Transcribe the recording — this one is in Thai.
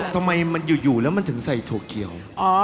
ทำไมมันอยู่แล้วมันถึงใส่ถั่วเขียว